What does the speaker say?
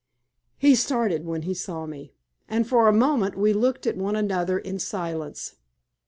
He started when he saw me, and for a moment we looked at one another in silence.